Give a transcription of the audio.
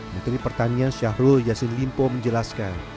menteri pertanian syahrul yassin limpo menjelaskan